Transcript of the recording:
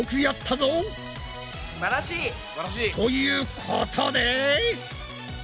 すばらしい！ということで！